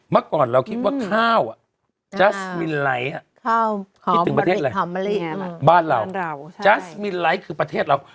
เมื่อก่อนเราคิดว่าข้าวอ่ะอ่าค่ะของของบ้านเราบ้านเราใช่คือประเทศเรา